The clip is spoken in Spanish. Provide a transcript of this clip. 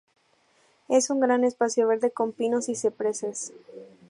Es un gran espacio verde con pinos y cipreses.